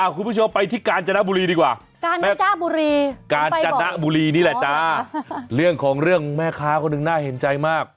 อ่าคุณผู้ชมไปที่การจนะบุรีดีกว่าเรื่องของเรื่องแม่ค้าก็หนึ่งน่าเห็นใจมาก